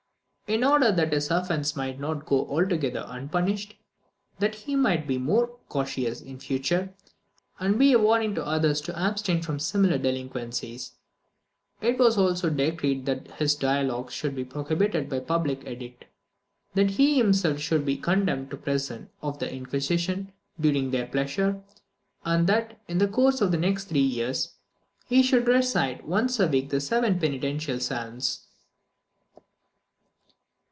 In order that his offence might not go altogether unpunished, that he might be more cautious in future, and be a warning to others to abstain from similar delinquencies, it was also decreed that his Dialogues should be prohibited by public edict; that he himself should be condemned to the prison of the Inquisition during their pleasure, and that, in the course of the next three years, he should recite once a week the seven penitential psalms.